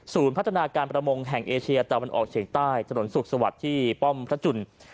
พัฒนาการประมงแห่งเอเชียตะวันออกเฉียงใต้ถนนสุขสวัสดิ์ที่ป้อมพระจุล